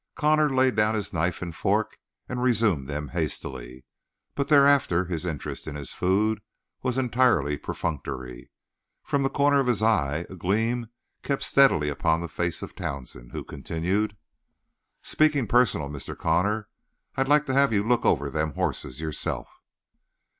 Connor laid down knife and fork, and resumed them hastily, but thereafter his interest in his food was entirely perfunctory. From the corner of his eye a gleam kept steadily upon the face of Townsend, who continued: "Speaking personal, Mr. Connor, I'd like to have you look over them hosses yourself."